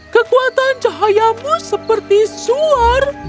kekuatan cahayamu seperti suar